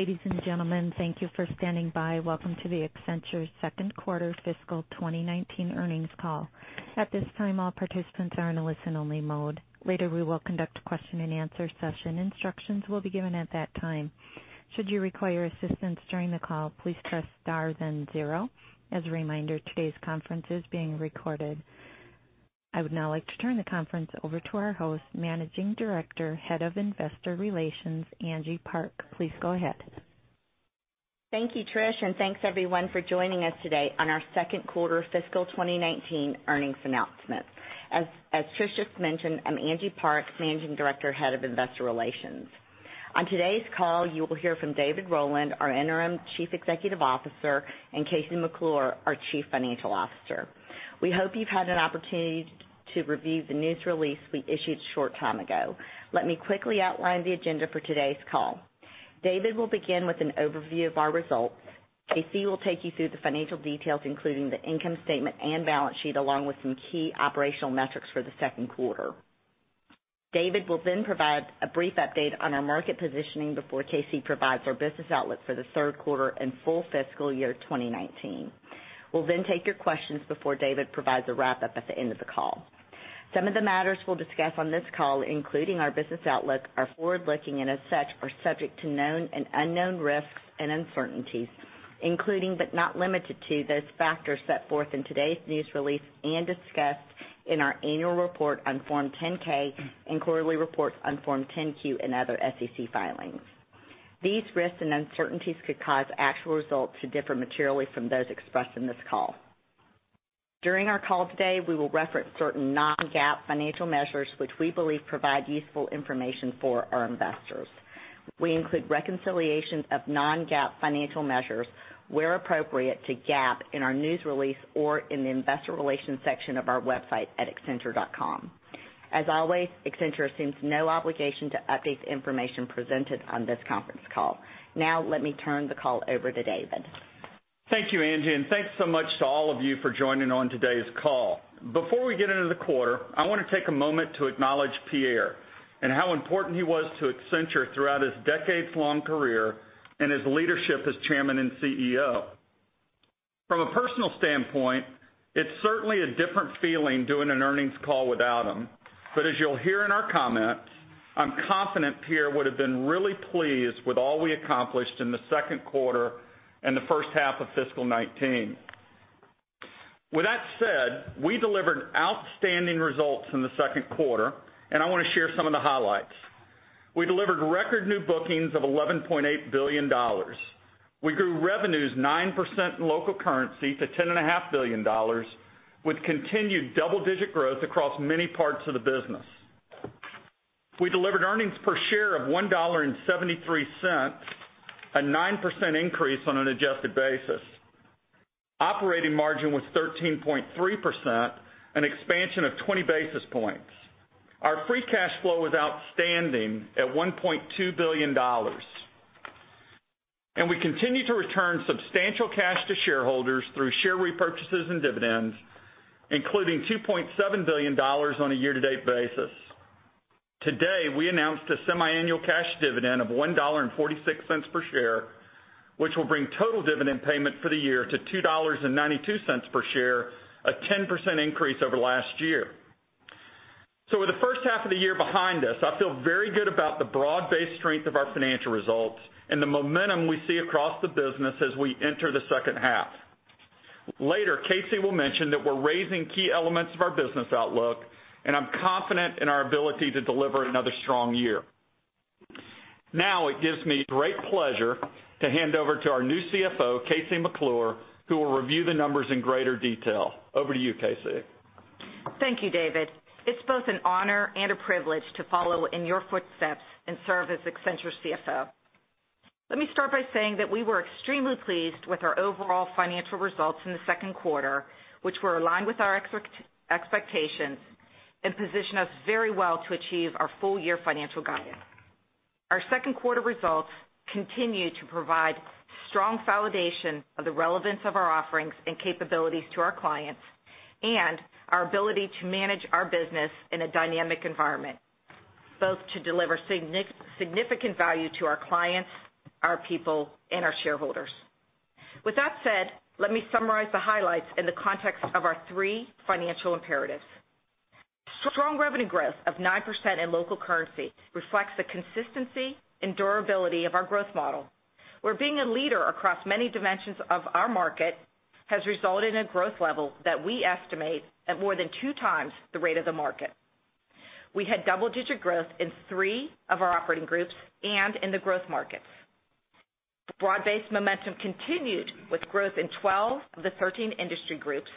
Ladies and gentlemen, thank you for standing by. Welcome to the Accenture second quarter fiscal 2019 earnings call. At this time, all participants are in a listen-only mode. Later, we will conduct a question-and-answer session. Instructions will be given at that time. Should you require assistance during the call, please press star then zero. As a reminder, today's conference is being recorded. I would now like to turn the conference over to our host, Managing Director, Head of Investor Relations, Angie Park. Please go ahead. Thank you, Trish, Thanks, everyone, for joining us today on our second quarter fiscal 2019 earnings announcement. As Trish just mentioned, I'm Angie Park, Managing Director, Head of Investor Relations. On today's call, you will hear from David Rowland, our interim Chief Executive Officer, KC McClure, our Chief Financial Officer. We hope you've had an opportunity to review the news release we issued a short time ago. Let me quickly outline the agenda for today's call. David will begin with an overview of our results. KC will take you through the financial details, including the income statement and balance sheet, along with some key operational metrics for the second quarter. David will then provide a brief update on our market positioning before KC provides our business outlook for the third quarter and full fiscal year 2019. We'll then take your questions before David provides a wrap-up at the end of the call. Some of the matters we'll discuss on this call, including our business outlook, are forward-looking As such, are subject to known and unknown risks and uncertainties, including but not limited to, those factors set forth in today's news release and discussed in our annual report on Form 10-K and quarterly reports on Form 10-Q and other SEC filings. These risks and uncertainties could cause actual results to differ materially from those expressed in this call. During our call today, we will reference certain non-GAAP financial measures which we believe provide useful information for our investors. We include reconciliations of non-GAAP financial measures where appropriate to GAAP in our news release or in the investor relations section of our website at accenture.com. As always, Accenture assumes no obligation to update the information presented on this conference call. Now, let me turn the call over to David. Thank you, Angie, and thanks so much to all of you for joining on today's call. Before we get into the quarter, I want to take a moment to acknowledge Pierre and how important he was to Accenture throughout his decades-long career and his leadership as Chairman and CEO. From a personal standpoint, it's certainly a different feeling doing an earnings call without him, but as you'll hear in our comments, I'm confident Pierre would have been really pleased with all we accomplished in the second quarter and the first half of fiscal 2019. With that said, we delivered outstanding results in the second quarter, and I want to share some of the highlights. We delivered record new bookings of $11.8 billion. We grew revenues 9% in local currency to $10.5 billion with continued double-digit growth across many parts of the business. We delivered earnings per share of $1.73, a 9% increase on an adjusted basis. Operating margin was 13.3%, an expansion of 20 basis points. Our free cash flow was outstanding at $1.2 billion. We continue to return substantial cash to shareholders through share repurchases and dividends, including $2.7 billion on a year-to-date basis. Today, we announced a semi-annual cash dividend of $1.46 per share, which will bring total dividend payment for the year to $2.92 per share, a 10% increase over last year. With the first half of the year behind us, I feel very good about the broad-based strength of our financial results and the momentum we see across the business as we enter the second half. Later, KC will mention that we're raising key elements of our business outlook, and I'm confident in our ability to deliver another strong year. It gives me great pleasure to hand over to our new CFO, KC McClure, who will review the numbers in greater detail. Over to you, KC. Thank you, David. It's both an honor and a privilege to follow in your footsteps and serve as Accenture's CFO. Let me start by saying that we were extremely pleased with our overall financial results in the second quarter, which were aligned with our expectations and position us very well to achieve our full-year financial guidance. Our second quarter results continue to provide strong validation of the relevance of our offerings and capabilities to our clients and our ability to manage our business in a dynamic environment, both to deliver significant value to our clients, our people, and our shareholders. With that said, let me summarize the highlights in the context of our three financial imperatives. Strong revenue growth of 9% in local currency reflects the consistency and durability of our growth model, where being a leader across many dimensions of our market has resulted in growth level that we estimate at more than two times the rate of the market. We had double-digit growth in three of our operating groups and in the growth markets. Broad-based momentum continued with growth in 12 of the 13 industry groups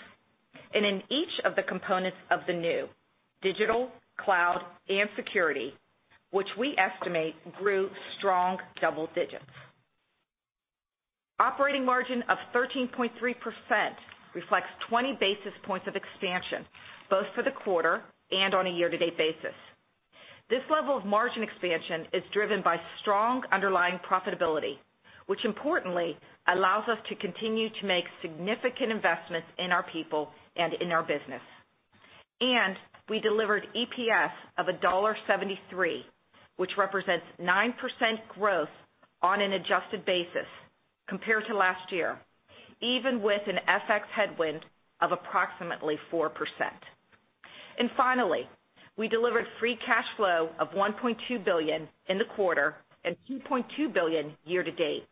and in each of the components of the new digital, cloud and security, which we estimate grew strong double digits. Operating margin of 13.3% reflects 20 basis points of expansion both for the quarter and on a year-to-date basis. This level of margin expansion is driven by strong underlying profitability, which importantly allows us to continue to make significant investments in our people and in our business. We delivered EPS of $1.73, which represents 9% growth on an adjusted basis compared to last year, even with an FX headwind of approximately 4%. We delivered free cash flow of $1.2 billion in the quarter and $2.2 billion year to date,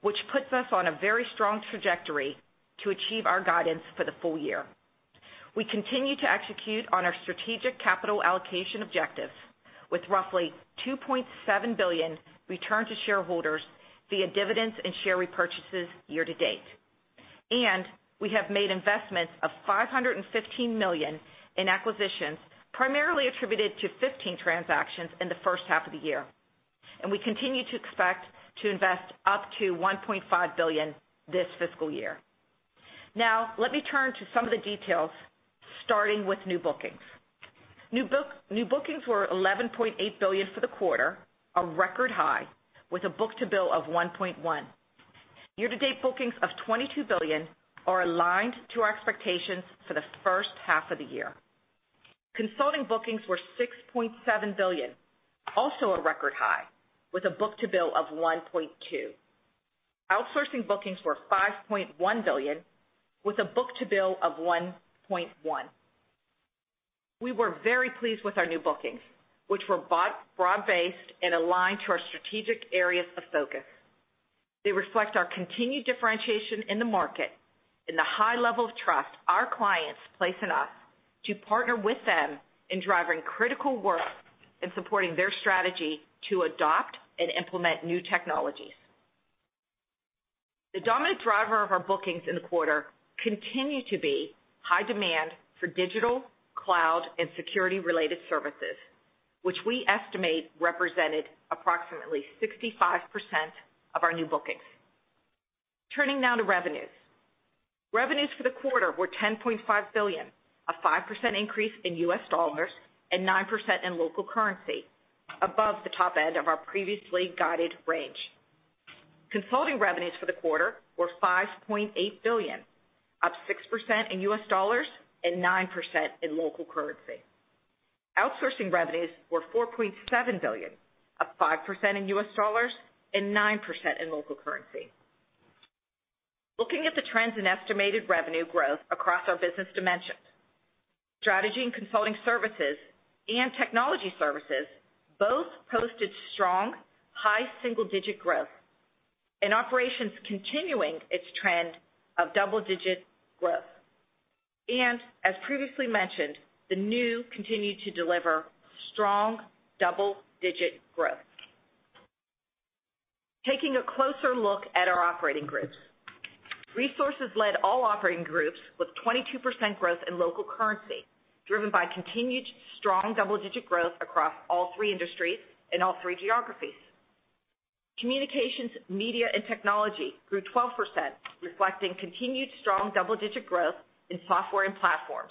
which puts us on a very strong trajectory to achieve our guidance for the full year. We continue to execute on our strategic capital allocation objectives with roughly $2.7 billion return to shareholders via dividends and share repurchases year to date. We have made investments of $515 million in acquisitions, primarily attributed to 15 transactions in the first half of the year. We continue to expect to invest up to $1.5 billion this fiscal year. Now let me turn to some of the details, starting with new bookings. New bookings were $11.8 billion for the quarter, a record high, with a book to bill of 1.1. Year to date bookings of $22 billion are aligned to our expectations for the first half of the year. Consulting bookings were $6.7 billion, also a record high with a book to bill of 1.2. Outsourcing bookings were $5.1 billion with a book to bill of 1.1. We were very pleased with our new bookings, which were broad-based and aligned to our strategic areas of focus. They reflect our continued differentiation in the market and the high level of trust our clients place in us to partner with them in driving critical work and supporting their strategy to adopt and implement new technologies. The dominant driver of our bookings in the quarter continue to be high demand for digital, cloud and security-related services, which we estimate represented approximately 65% of our new bookings. Turning now to revenues. Revenues for the quarter were $10.5 billion, a 5% increase in US dollars and 9% in local currency above the top end of our previously guided range. Consulting revenues for the quarter were $5.8 billion, up 6% in US dollars and 9% in local currency. Outsourcing revenues were $4.7 billion, up 5% in US dollars and 9% in local currency. Looking at the trends in estimated revenue growth across our business dimensions. Strategy and consulting services and technology services both posted strong high single-digit growth and operations continuing its trend of double-digit growth. As previously mentioned, the new continued to deliver strong double-digit growth. Taking a closer look at our operating groups. Resources led all operating groups with 22% growth in local currency, driven by continued strong double-digit growth across all three industries in all three geographies. Communications, media, and technology grew 12%, reflecting continued strong double-digit growth in software and platforms,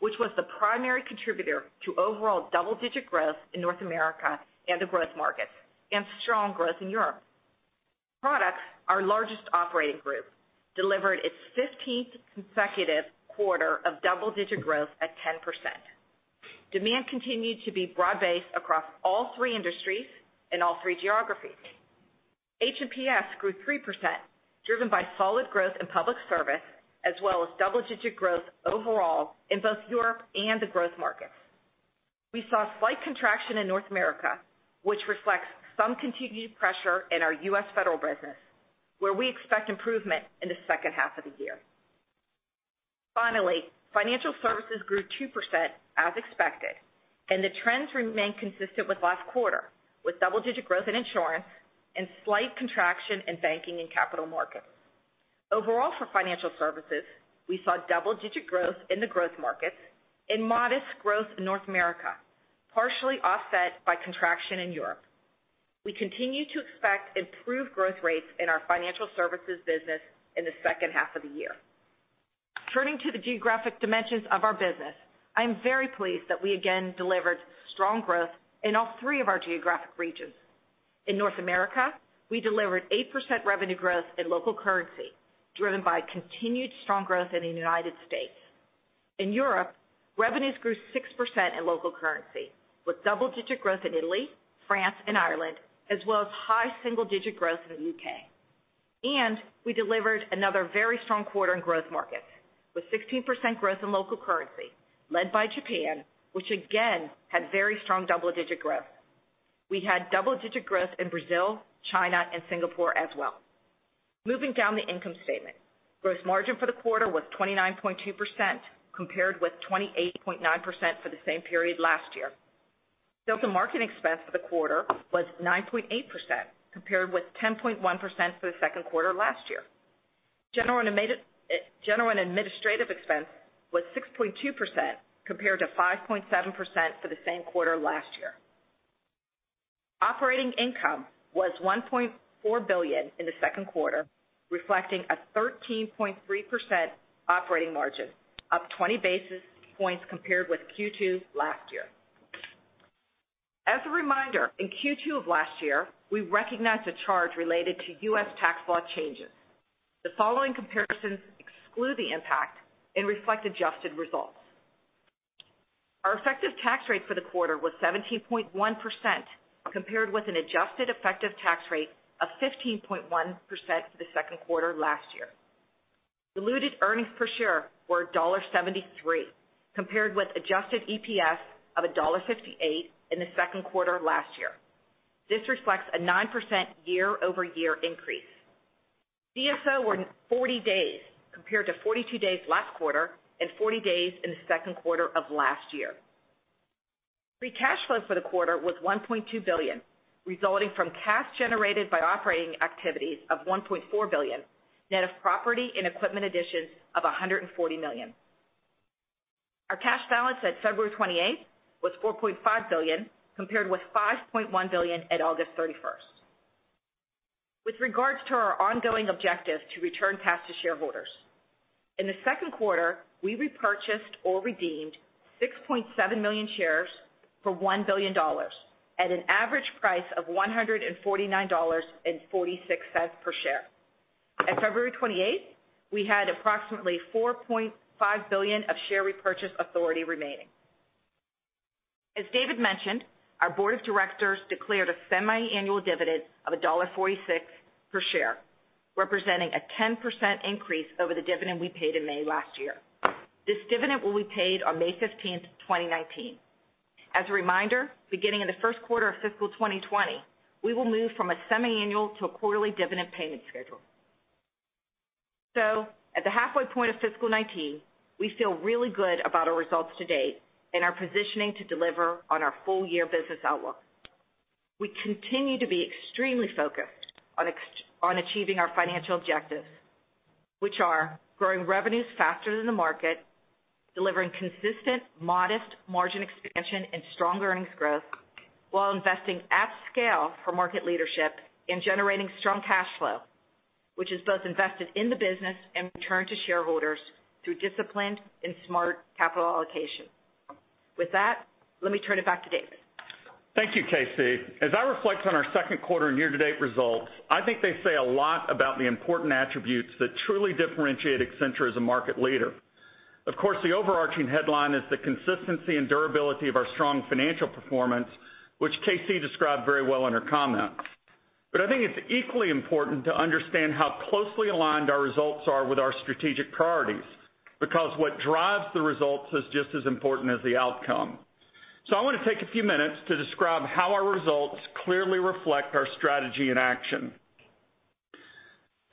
which was the primary contributor to overall double-digit growth in North America and the growth markets, and strong growth in Europe. Products, our largest operating group, delivered its 15th consecutive quarter of double-digit growth at 10%. Demand continued to be broad-based across all three industries in all three geographies. H&PS grew 3%, driven by solid growth in public service, as well as double-digit growth overall in both Europe and the growth markets. We saw slight contraction in North America, which reflects some continued pressure in our U.S. federal business, where we expect improvement in the second half of the year. Financial services grew 2% as expected, and the trends remain consistent with last quarter, with double-digit growth in insurance and slight contraction in banking and capital markets. Overall, for financial services, we saw double-digit growth in the growth markets and modest growth in North America, partially offset by contraction in Europe. We continue to expect improved growth rates in our financial services business in the second half of the year. Turning to the geographic dimensions of our business, I am very pleased that we again delivered strong growth in all three of our geographic regions. In North America, we delivered 8% revenue growth in local currency, driven by continued strong growth in the United States. In Europe, revenues grew 6% in local currency, with double-digit growth in Italy, France, and Ireland, as well as high single-digit growth in the U.K. We delivered another very strong quarter in growth markets with 16% growth in local currency, led by Japan, which again had very strong double-digit growth. We had double-digit growth in Brazil, China, and Singapore as well. Moving down the income statement. Gross margin for the quarter was 29.2%, compared with 28.9% for the same period last year. Sales and marketing expense for the quarter was 9.8%, compared with 10.1% for the second quarter last year. General and administrative expense was 6.2%, compared to 5.7% for the same quarter last year. Operating income was $1.4 billion in the second quarter, reflecting a 13.3% operating margin, up 20 basis points compared with Q2 last year. As a reminder, in Q2 of last year, we recognized a charge related to U.S. tax law changes. The following comparisons exclude the impact and reflect adjusted results. Our effective tax rate for the quarter was 17.1%, compared with an adjusted effective tax rate of 15.1% for the second quarter last year. Diluted earnings per share were $1.73, compared with adjusted EPS of $1.58 in the second quarter last year. This reflects a 9% year-over-year increase. DSO were 40 days compared to 42 days last quarter and 40 days in the second quarter of last year. Free cash flow for the quarter was $1.2 billion, resulting from cash generated by operating activities of $1.4 billion, net of property and equipment additions of $140 million. Our cash balance at February 28th was $4.5 billion, compared with $5.1 billion at August 31st. With regards to our ongoing objective to return cash to shareholders, in the second quarter, we repurchased or redeemed 6.7 million shares for $1 billion at an average price of $149.46 per share. At February 28th, we had approximately $4.5 billion of share repurchase authority remaining. As David mentioned, our board of directors declared a semi-annual dividend of $1.46 per share, representing a 10% increase over the dividend we paid in May last year. This dividend will be paid on May 15th, 2019. As a reminder, beginning in the first quarter of fiscal 2020, we will move from a semi-annual to a quarterly dividend payment schedule. At the halfway point of fiscal 2019, we feel really good about our results to date and are positioning to deliver on our full-year business outlook. We continue to be extremely focused on achieving our financial objectives, which are growing revenues faster than the market, delivering consistent modest margin expansion and strong earnings growth while investing at scale for market leadership and generating strong cash flow, which is both invested in the business and returned to shareholders through disciplined and smart capital allocation. With that, let me turn it back to David. Thank you, KC. As I reflect on our second quarter and year-to-date results, I think they say a lot about the important attributes that truly differentiate Accenture as a market leader. Of course, the overarching headline is the consistency and durability of our strong financial performance, which KC described very well in her comments. I think it's equally important to understand how closely aligned our results are with our strategic priorities, because what drives the results is just as important as the outcome. I want to take a few minutes to describe how our results clearly reflect our strategy in action.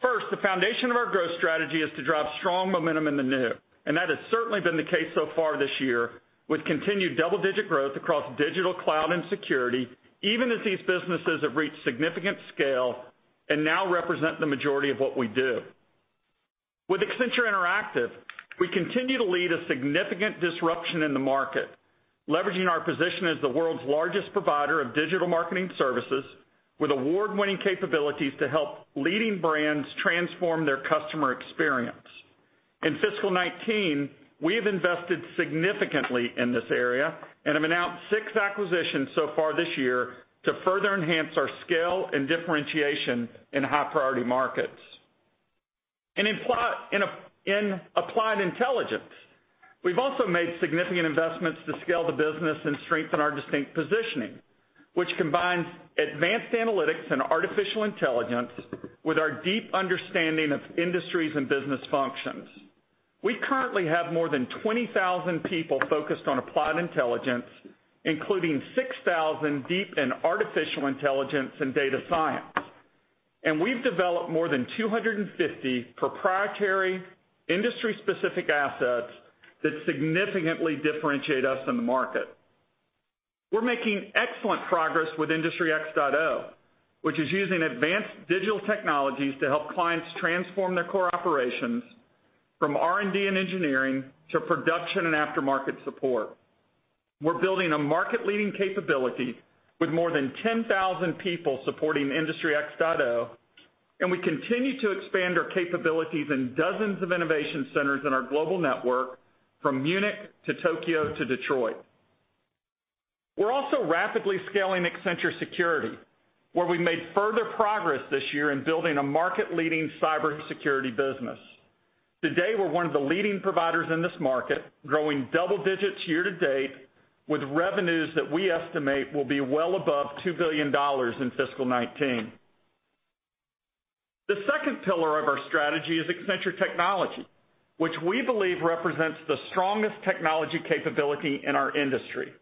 First, the foundation of our growth strategy is to drive strong momentum in the New, and that has certainly been the case so far this year with continued double-digit growth across digital, cloud and security, even as these businesses have reached significant scale and now represent the majority of what we do. With Accenture Interactive, we continue to lead a significant disruption in the market, leveraging our position as the world's largest provider of digital marketing services with award-winning capabilities to help leading brands transform their customer experience. In fiscal 2019, we have invested significantly in this area and have announced 6 acquisitions so far this year to further enhance our scale and differentiation in high-priority markets. In Applied Intelligence, we've also made significant investments to scale the business and strengthen our distinct positioning, which combines advanced analytics and artificial intelligence with our deep understanding of industries and business functions. We currently have more than 20,000 people focused on Applied Intelligence, including 6,000 deep in artificial intelligence and data science. We've developed more than 250 proprietary industry-specific assets that significantly differentiate us in the market. We're making excellent progress with Industry X.0, which is using advanced digital technologies to help clients transform their core operations from R&D and engineering to production and aftermarket support. We're building a market-leading capability with more than 10,000 people supporting Industry X.0, and we continue to expand our capabilities in dozens of innovation centers in our global network, from Munich to Tokyo to Detroit. We're also rapidly scaling Accenture Security, where we've made further progress this year in building a market-leading cybersecurity business. To date, we're one of the leading providers in this market, growing double digits year to date, with revenues that we estimate will be well above $2 billion in fiscal 2019. The second pillar of our strategy is Accenture Technology, which we believe represents the strongest technology capability in our industry.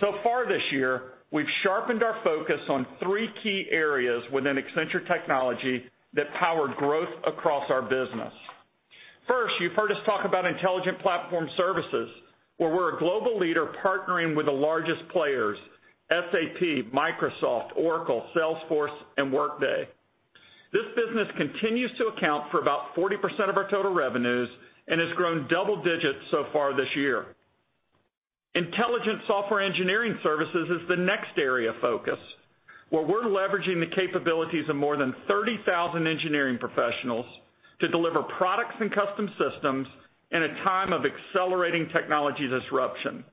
So far this year, we've sharpened our focus on three key areas within Accenture Technology that power growth across our business. First, you've heard us talk about Intelligent Platform Services, where we're a global leader partnering with the largest players, SAP, Microsoft, Oracle, Salesforce, and Workday. This business continues to account for about 40% of our total revenues and has grown double digits so far this year. Intelligent Software Engineering Services is the next area of focus. Where we're leveraging the capabilities of more than 30,000 engineering professionals to deliver products and custom systems in a time of accelerating technology disruption.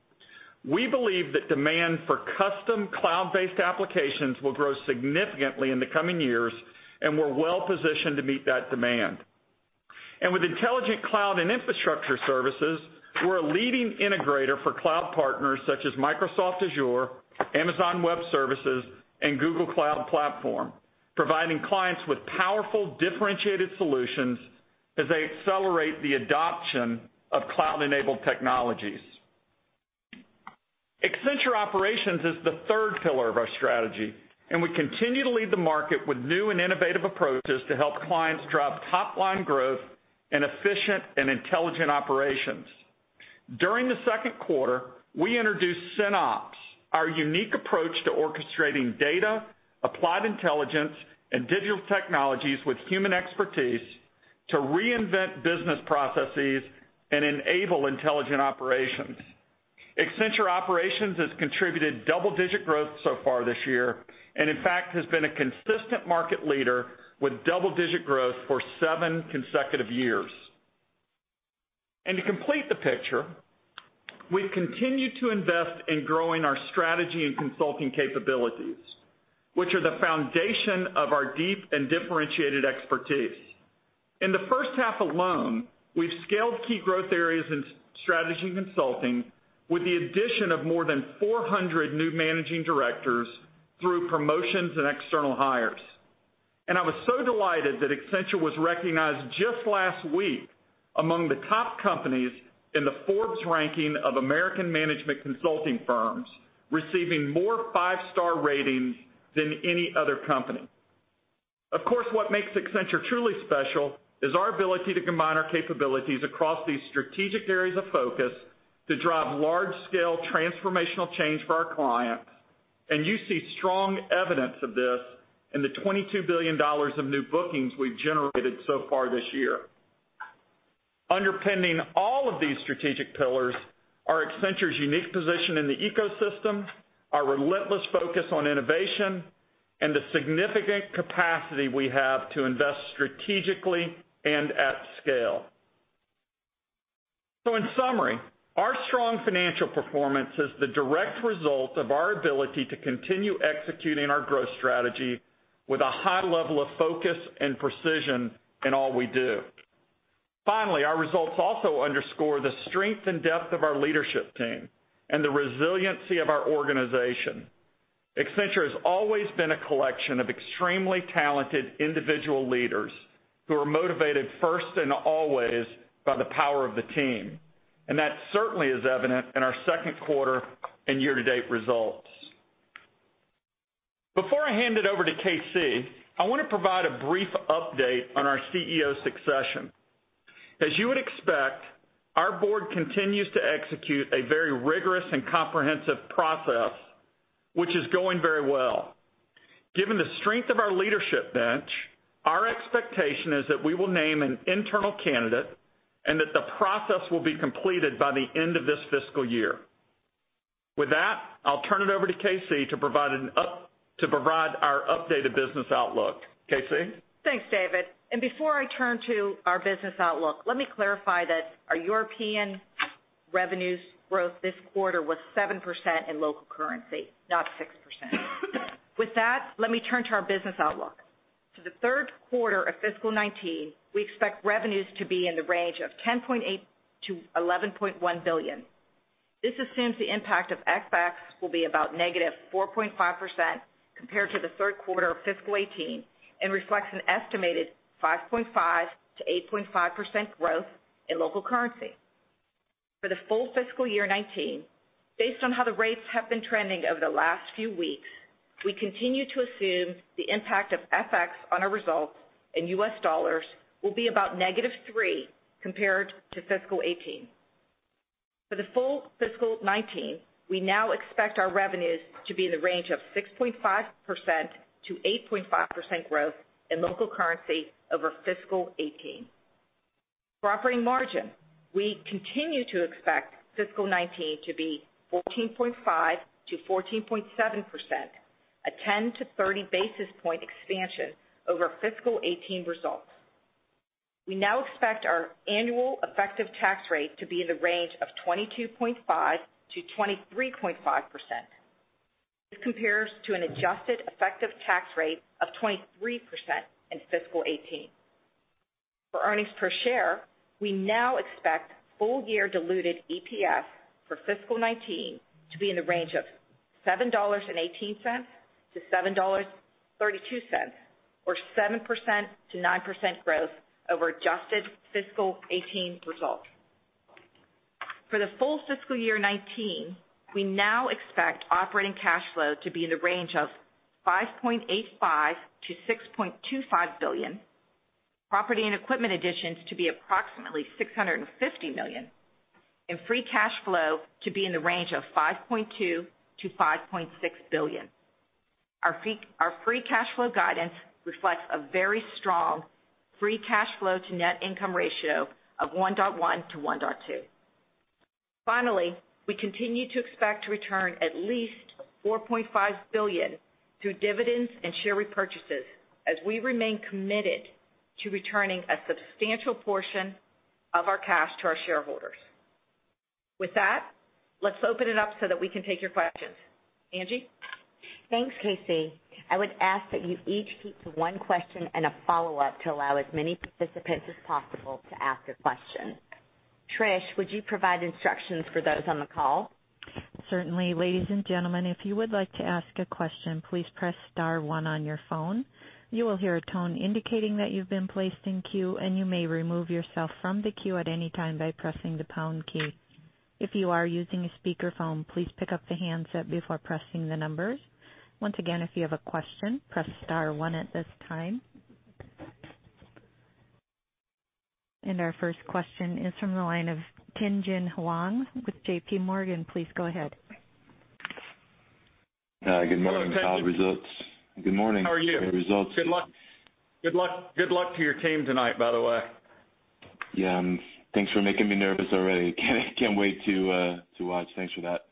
We believe that demand for custom cloud-based applications will grow significantly in the coming years, and we're well-positioned to meet that demand. With Intelligent Cloud and Infrastructure Services, we're a leading integrator for cloud partners such as Microsoft Azure, Amazon Web Services, and Google Cloud Platform, providing clients with powerful, differentiated solutions as they accelerate the adoption of cloud-enabled technologies. Accenture Operations is the third pillar of our strategy, and we continue to lead the market with new and innovative approaches to help clients drive top-line growth and efficient and intelligent operations. During the second quarter, we introduced SynOps, our unique approach to orchestrating data, applied intelligence, and digital technologies with human expertise to reinvent business processes and enable intelligent operations. Accenture Operations has contributed double-digit growth so far this year, and in fact has been a consistent market leader with double-digit growth for seven consecutive years. To complete the picture, we've continued to invest in growing our strategy and consulting capabilities, which are the foundation of our deep and differentiated expertise. In the first half alone, we've scaled key growth areas in strategy consulting with the addition of more than 400 new Managing Directors through promotions and external hires. I was so delighted that Accenture was recognized just last week among the top companies in the Forbes ranking of American management consulting firms, receiving more five-star ratings than any other company. Of course, what makes Accenture truly special is our ability to combine our capabilities across these strategic areas of focus to drive large-scale transformational change for our clients, and you see strong evidence of this in the $22 billion of new bookings we've generated so far this year. Underpinning all of these strategic pillars are Accenture's unique position in the ecosystem, our relentless focus on innovation, and the significant capacity we have to invest strategically and at scale. In summary, our strong financial performance is the direct result of our ability to continue executing our growth strategy with a high level of focus and precision in all we do. Finally, our results also underscore the strength and depth of our leadership team and the resiliency of our organization. Accenture has always been a collection of extremely talented individual leaders who are motivated first and always by the power of the team, and that certainly is evident in our second quarter and year-to-date results. Before I hand it over to KC, I want to provide a brief update on our CEO succession. As you would expect, our board continues to execute a very rigorous and comprehensive process, which is going very well. Given the strength of our leadership bench, our expectation is that we will name an internal candidate, and that the process will be completed by the end of this fiscal year. With that, I'll turn it over to KC to provide our updated business outlook. KC? Thanks, David. Before I turn to our business outlook, let me clarify that our European revenues growth this quarter was 7% in local currency, not 6%. With that, let me turn to our business outlook. For the third quarter of fiscal 2019, we expect revenues to be in the range of $10.8 billion-$11.1 billion. This assumes the impact of FX will be about -4.5% compared to the third quarter of fiscal 2018 and reflects an estimated 5.5%-8.5% growth in local currency. For the full fiscal year 2019, based on how the rates have been trending over the last few weeks, we continue to assume the impact of FX on our results in US dollars will be about -3% compared to fiscal 2018. For the full fiscal 2019, we now expect our revenues to be in the range of 6.5%-8.5% growth in local currency over fiscal 2018. For operating margin, we continue to expect fiscal 2019 to be 14.5%-14.7%, a 10-30 basis point expansion over fiscal 2018 results. We now expect our annual effective tax rate to be in the range of 22.5%-23.5%. This compares to an adjusted effective tax rate of 23% in fiscal 2018. For earnings per share, we now expect full-year diluted EPS for fiscal 2019 to be in the range of $7.18-$7.32, or 7%-9% growth over adjusted fiscal 2018 results. For the full fiscal year 2019, we now expect operating cash flow to be in the range of $5.85 billion-$6.25 billion, property and equipment additions to be approximately $650 million, and free cash flow to be in the range of $5.2 billion-$5.6 billion. Our free cash flow guidance reflects a very strong free cash flow to net income ratio of 1.1-1.2. We continue to expect to return at least $4.5 billion through dividends and share repurchases as we remain committed to returning a substantial portion of our cash to our shareholders. With that, let's open it up so that we can take your questions. Angie? Thanks, KC. I would ask that you each keep to one question and a follow-up to allow as many participants as possible to ask a question. Trish, would you provide instructions for those on the call? Certainly. Ladies and gentlemen, if you would like to ask a question, please press star one on your phone. You will hear a tone indicating that you've been placed in queue, and you may remove yourself from the queue at any time by pressing the pound key. If you are using a speakerphone, please pick up the handset before pressing the numbers. Once again, if you have a question, press star one at this time. Our first question is from the line of Tien-Tsin Huang with J.P. Morgan. Please go ahead. Hi, good morning. Hello, Tien-Tsin. Good morning. How are you? Good results. Good luck to your team tonight, by the way. Yeah. Thanks for making me nervous already. Can't wait to watch. Thanks for that.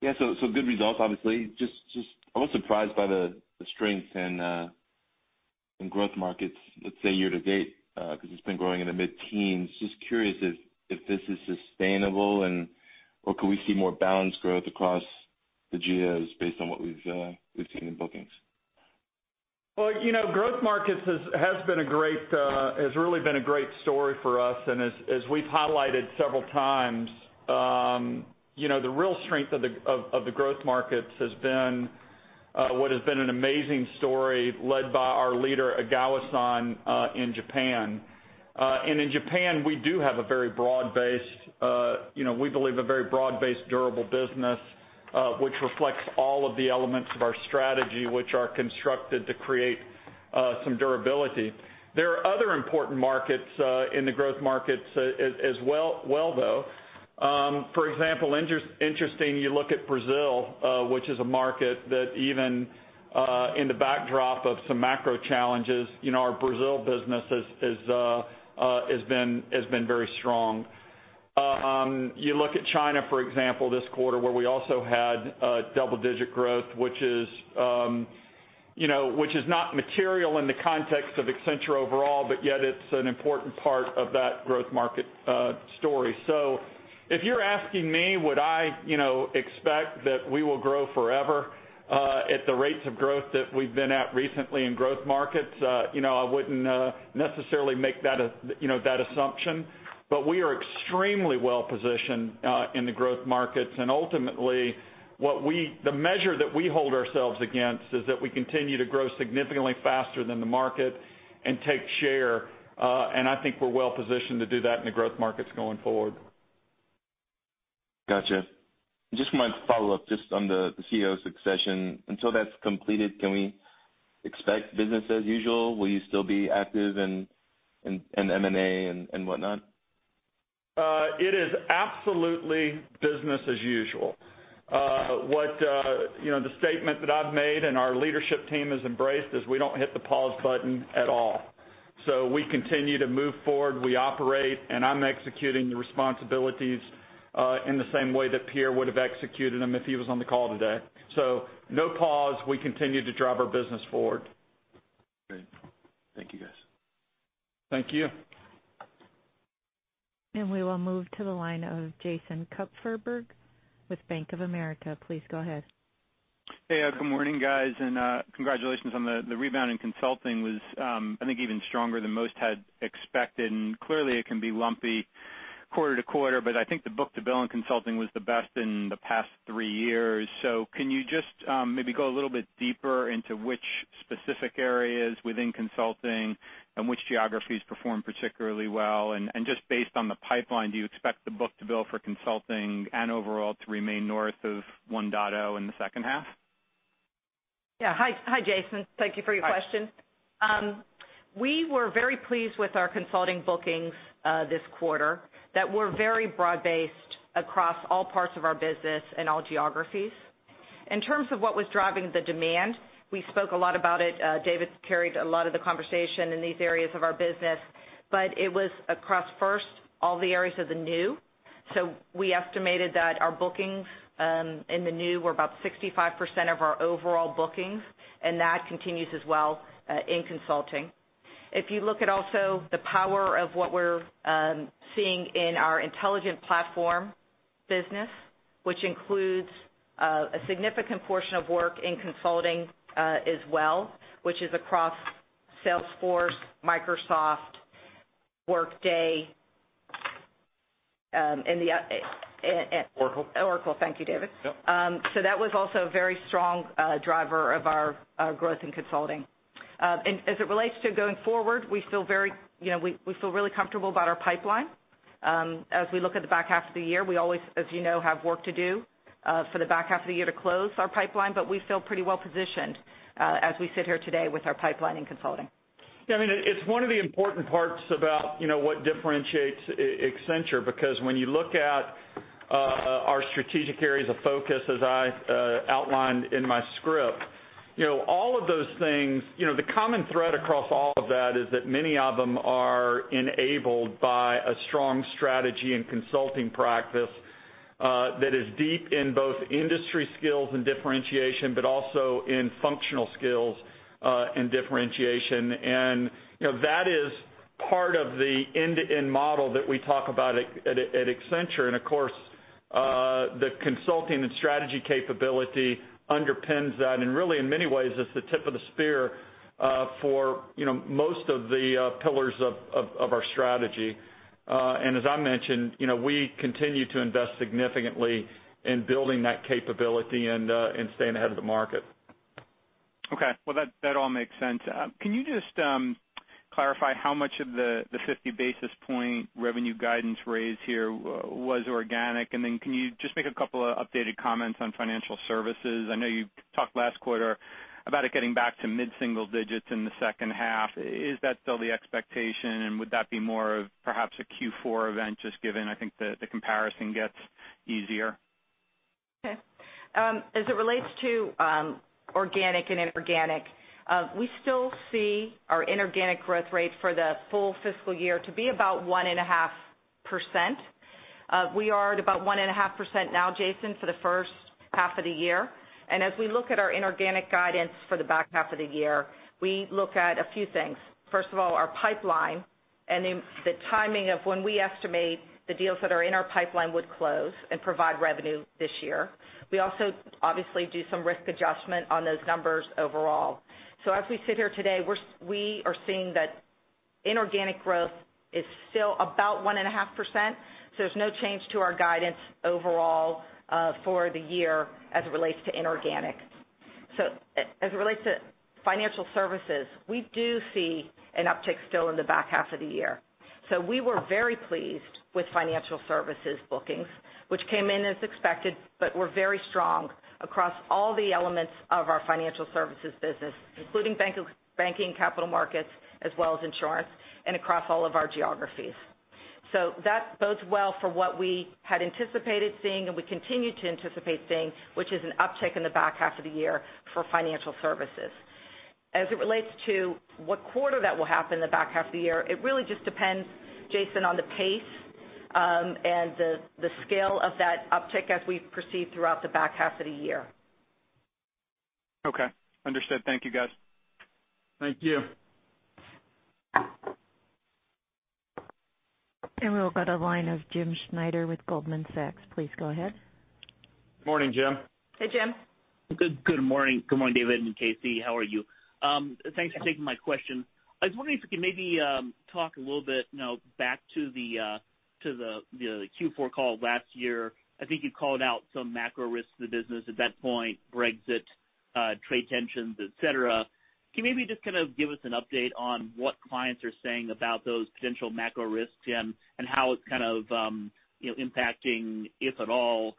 Yeah. Good results, obviously. I was surprised by the strength in growth markets, let's say year to date, because it's been growing in the mid-teens. Curious if this is sustainable or could we see more balanced growth across the geos based on what we've seen in bookings. Well, growth markets has really been a great story for us, and as we've highlighted several times, the real strength of the growth markets has been what has been an amazing story led by our leader, Egawa-san, in Japan. In Japan, we do have a very broad-based, we believe, a very broad-based, durable business, which reflects all of the elements of our strategy, which are constructed to create some durability. There are other important markets in the growth markets as well, though. For example, interesting, you look at Brazil, which is a market that even in the backdrop of some macro challenges, our Brazil business has been very strong. You look at China, for example, this quarter, where we also had double-digit growth, which is not material in the context of Accenture overall, but yet it's an important part of that growth market story. If you're asking me, would I expect that we will grow forever at the rates of growth that we've been at recently in growth markets, I wouldn't necessarily make that assumption, but we are extremely well-positioned in the growth markets. Ultimately, the measure that we hold ourselves against is that we continue to grow significantly faster than the market and take share. I think we're well-positioned to do that in the growth markets going forward. Got you. I just want to follow up just on the CEO succession. Until that's completed, can we expect business as usual? Will you still be active in M&A and whatnot? It is absolutely business as usual. The statement that I've made and our leadership team has embraced is we don't hit the pause button at all. We continue to move forward, we operate, and I'm executing the responsibilities in the same way that Pierre would have executed them if he was on the call today. No pause. We continue to drive our business forward. Great. Thank you, guys. Thank you. We will move to the line of Jason Kupferberg with Bank of America. Please go ahead. Hey. Good morning, guys, congratulations on the rebound in consulting was, I think, even stronger than most had expected. Clearly, it can be lumpy quarter-to-quarter, but I think the book-to-bill in consulting was the best in the past three years. Can you just maybe go a little bit deeper into which specific areas within consulting and which geographies performed particularly well? Just based on the pipeline, do you expect the book-to-bill for consulting and overall to remain north of 1.0 in the second half? Yeah. Hi, Jason. Thank you for your question. Hi. We were very pleased with our consulting bookings this quarter that were very broad-based across all parts of our business and all geographies. In terms of what was driving the demand, we spoke a lot about it. David carried a lot of the conversation in these areas of our business, but it was across, first, all the areas of the New. We estimated that our bookings in the New were about 65% of our overall bookings, that continues as well in consulting. If you look at also the power of what we're seeing in our intelligent platform business, which includes a significant portion of work in consulting as well, which is across Salesforce, Microsoft, Workday. Oracle. Oracle. Thank you, David. Yep. That was also a very strong driver of our growth in consulting. As it relates to going forward, we feel really comfortable about our pipeline. As we look at the back half of the year, we always, as you know, have work to do for the back half of the year to close our pipeline, but we feel pretty well-positioned as we sit here today with our pipeline in consulting. Yeah, it's one of the important parts about what differentiates Accenture, because when you look at our strategic areas of focus as I outlined in my script. The common thread across all of that is that many of them are enabled by a strong strategy and consulting practice, that is deep in both industry skills and differentiation, but also in functional skills and differentiation. That is part of the end-to-end model that we talk about at Accenture. Of course, the consulting and strategy capability underpins that. Really in many ways, it's the tip of the spear for most of the pillars of our strategy. As I mentioned, we continue to invest significantly in building that capability and staying ahead of the market. Okay. Well, that all makes sense. Can you just clarify how much of the 50-basis point revenue guidance raise here was organic? Then can you just make a couple of updated comments on financial services? I know you talked last quarter about it getting back to mid-single digits in the second half. Is that still the expectation? Would that be more of perhaps a Q4 event just given, I think the comparison gets easier. Okay. As it relates to organic and inorganic, we still see our inorganic growth rate for the full fiscal year to be about 1.5%. We are at about 1.5% now, Jason, for the first half of the year. As we look at our inorganic guidance for the back half of the year, we look at a few things. First of all, our pipeline and the timing of when we estimate the deals that are in our pipeline would close and provide revenue this year. We also obviously do some risk adjustment on those numbers overall. As we sit here today, we are seeing that inorganic growth is still about 1.5%, there's no change to our guidance overall for the year as it relates to inorganic. As it relates to financial services, we do see an uptick still in the back half of the year. We were very pleased with financial services bookings, which came in as expected, but were very strong across all the elements of our financial services business, including banking, capital markets, as well as insurance, and across all of our geographies. That bodes well for what we had anticipated seeing and we continue to anticipate seeing, which is an uptick in the back half of the year for financial services. As it relates to what quarter that will happen in the back half of the year, it really just depends, Jason, on the pace and the scale of that uptick as we proceed throughout the back half of the year. Okay, understood. Thank you, guys. Thank you. We will go to line of Jim Schneider with Goldman Sachs. Please go ahead. Morning, Jim. Hey, Jim. Good morning, David and KC. How are you? Thanks for taking my question. I was wondering if you could maybe talk a little bit back to the Q4 call last year. I think you called out some macro risks to the business at that point, Brexit, trade tensions, et cetera. Can you maybe just give us an update on what clients are saying about those potential macro risks? How it's impacting, if at all,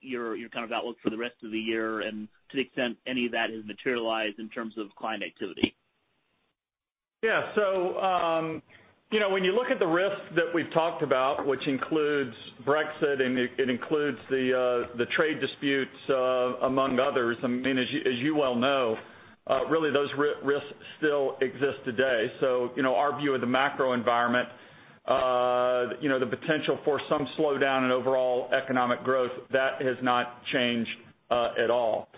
your outlook for the rest of the year, and to the extent any of that has materialized in terms of client activity. Yeah. When you look at the risks that we've talked about, which includes Brexit and it includes the trade disputes, among others, as you well know, really those risks still exist today. Our view of the macro environment, the potential for some slowdown in overall economic growth, that has not changed at all.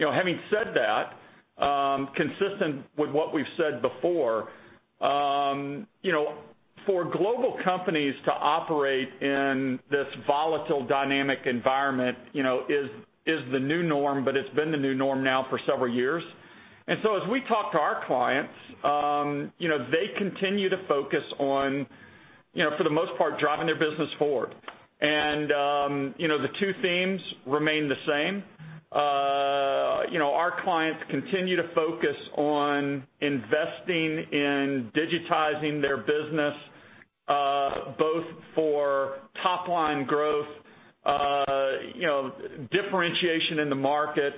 Having said that, consistent with what we've said before, for global companies to operate in this volatile dynamic environment is the new norm, but it's been the new norm now for several years. As we talk to our clients, they continue to focus on, for the most part, driving their business forward. The two themes remain the same. Our clients continue to focus on investing in digitizing their business, both for top-line growth, differentiation in the market,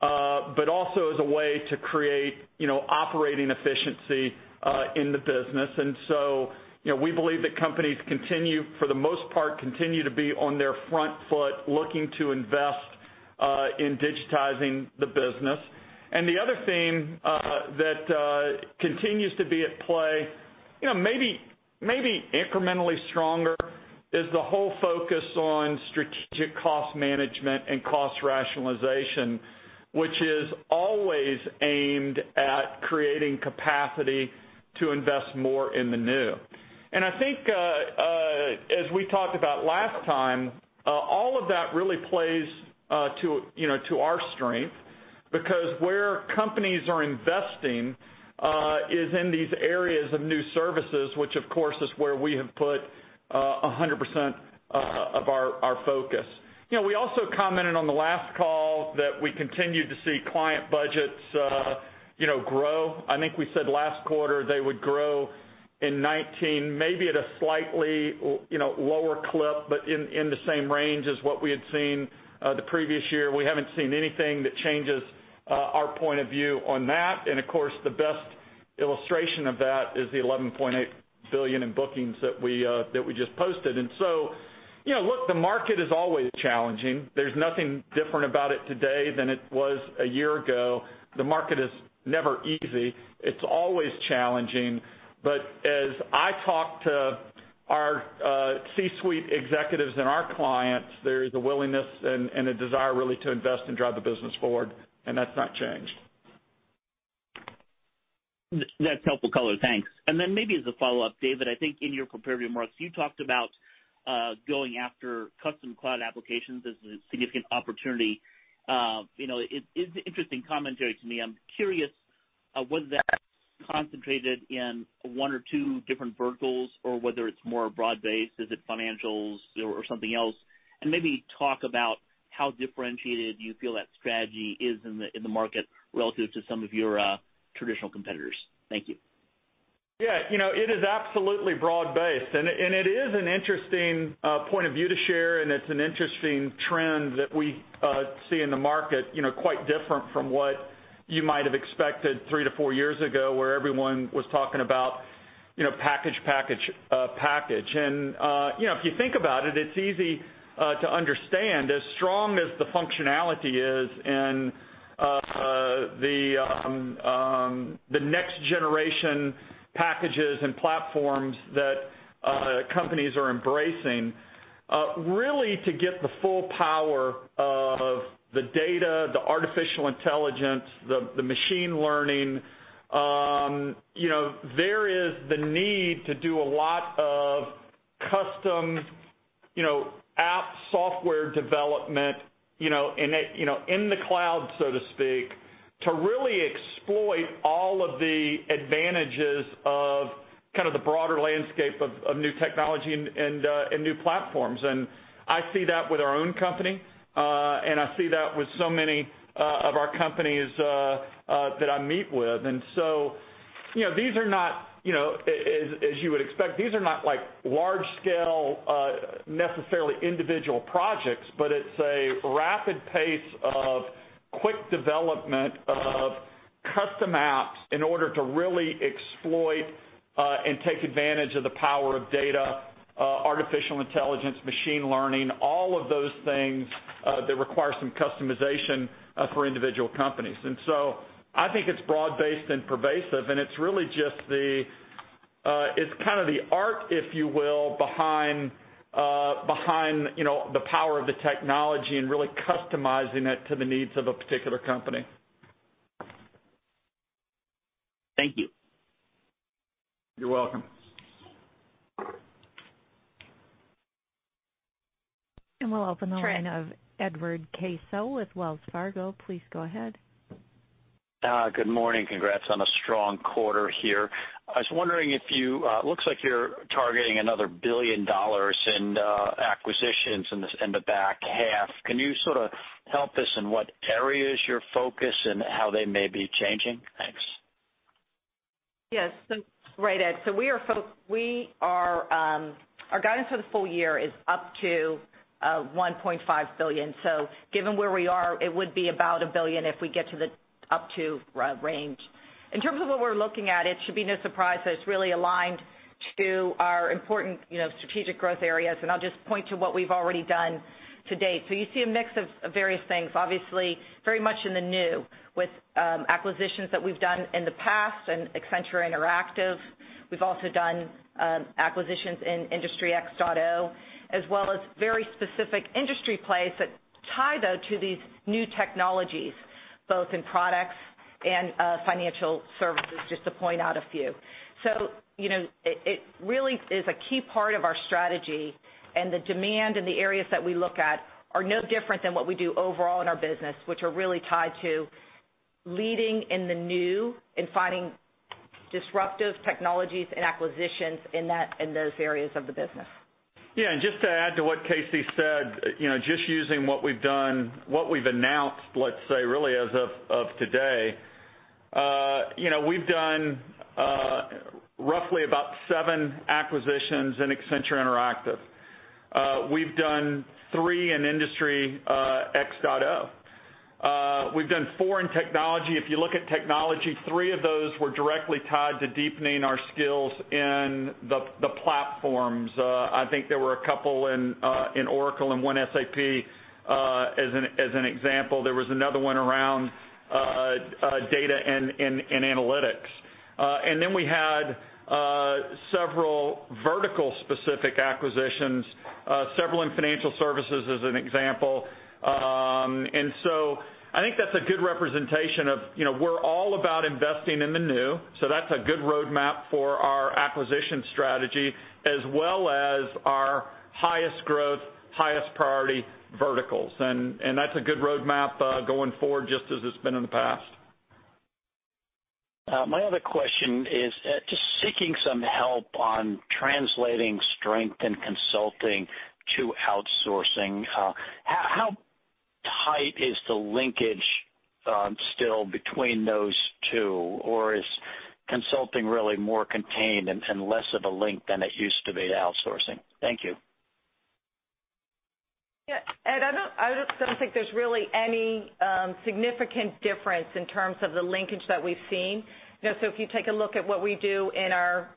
but also as a way to create operating efficiency in the business. We believe that companies continue, for the most part, continue to be on their front foot looking to invest in digitizing the business. The other theme that continues to be at play, maybe incrementally stronger, is the whole focus on strategic cost management and cost rationalization, which is always aimed at creating capacity to invest more in the new. I think as we talked about last time, all of that really plays to our strength because where companies are investing is in these areas of new services, which of course is where we have put 100% of our focus. We also commented on the last call that we continue to see client budgets grow. I think we said last quarter they would grow in 2019, maybe at a slightly lower clip, but in the same range as what we had seen the previous year. We haven't seen anything that changes our point of view on that. Of course, the best illustration of that is the $11.8 billion in bookings that we just posted. Look, the market is always challenging. There's nothing different about it today than it was a year ago. The market is never easy. It's always challenging. As I talk to our C-suite executives and our clients, there is a willingness and a desire really to invest and drive the business forward, and that's not changed. That's helpful color. Thanks. Maybe as a follow-up, David, I think in your prepared remarks, you talked about going after custom cloud applications as a significant opportunity. It's interesting commentary to me. I'm curious, was that concentrated in one or two different verticals or whether it's more broad-based? Is it financials or something else? Maybe talk about how differentiated you feel that strategy is in the market relative to some of your traditional competitors. Thank you. Yeah. It is absolutely broad based, it is an interesting point of view to share, it's an interesting trend that we see in the market, quite different from what you might have expected three to four years ago, where everyone was talking about package. If you think about it's easy to understand, as strong as the functionality is in the next-generation packages and platforms that companies are embracing, really to get the full power of the data, the artificial intelligence, the machine learning, there is the need to do a lot of custom app software development in the cloud, so to speak, to really exploit all of the advantages of the broader landscape of new technology and new platforms. I see that with our own company. I see that with so many of our companies that I meet with. As you would expect, these are not large-scale, necessarily individual projects, but it's a rapid pace of quick development of custom apps in order to really exploit and take advantage of the power of data, artificial intelligence, machine learning, all of those things that require some customization for individual companies. I think it's broad based and pervasive, it's really just the arc, if you will, behind the power of the technology and really customizing it to the needs of a particular company. Thank you. You're welcome. We'll open the line of Edward Caso with Wells Fargo. Please go ahead. Good morning. Congrats on a strong quarter here. I was wondering, it looks like you're targeting another $1 billion in acquisitions in the back half. Can you sort of help us in what areas you're focused and how they may be changing? Thanks. Yes. Right, Ed. Our guidance for the full year is up to $1.5 billion. Given where we are, it would be about $1 billion if we get to the up-to range. In terms of what we're looking at, it should be no surprise that it's really aligned to our important strategic growth areas, and I'll just point to what we've already done to date. You see a mix of various things, obviously very much in the new with acquisitions that we've done in the past and Accenture Interactive. We've also done acquisitions in Industry X.0, as well as very specific industry plays that tie, though, to these new technologies, both in products and financial services, just to point out a few. It really is a key part of our strategy, and the demand in the areas that we look at are no different than what we do overall in our business, which are really tied to leading in the new, in finding disruptive technologies and acquisitions in those areas of the business. Just to add to what KC said, just using what we've announced, let's say, really as of today, we've done roughly about seven acquisitions in Accenture Interactive. We've done three in Industry X.0. We've done four in technology. If you look at technology, three of those were directly tied to deepening our skills in the platforms. I think there were a couple in Oracle and one SAP as an example. There was another one around data and analytics. We had several vertical-specific acquisitions, several in financial services as an example. I think that's a good representation of we're all about investing in the New, so that's a good roadmap for our acquisition strategy as well as our highest growth, highest priority verticals. That's a good roadmap going forward, just as it's been in the past. My other question is just seeking some help on translating strength and consulting to outsourcing. How tight is the linkage still between those two? Is consulting really more contained and less of a link than it used to be to outsourcing? Thank you. Ed, I just don't think there's really any significant difference in terms of the linkage that we've seen. If you take a look at what we do in our